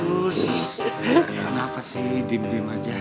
sus sus kenapa sih dim dim aja